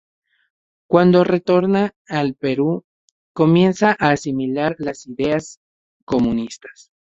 Cuando retorna al Perú comienza a asimilar las ideas comunistas.